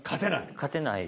勝てない？